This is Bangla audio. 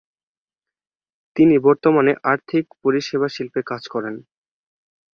তিনি বর্তমানে আর্থিক পরিষেবা শিল্পে কাজ করেন।